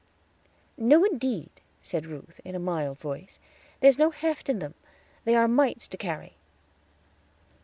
"No, indeed," said Ruth, in a mild voice; "there's no heft in them; they are mites to carry."